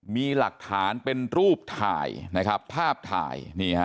มีหลักฐานเป็นรูปถ่ายนะครับภาพถ่าย